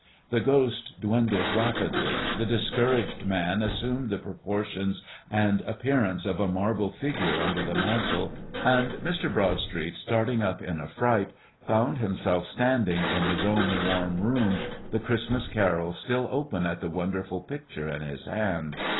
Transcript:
The Ghost dwindled rapidly, the Discouraged Man assumed the proportions and appearance of a marble figure under the mantel, and Mr. Broadstreet, starting up in affright, found himself standing in his own warm room, the Christmas Carol still open at the wonderful picture in his hand.